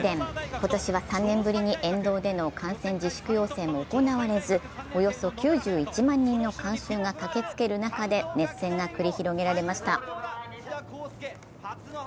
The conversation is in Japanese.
今年は３年ぶりに沿道での観戦自粛要請も行われずおよそ９１万人の観衆が駆けつける中で熱戦が繰り広げられました。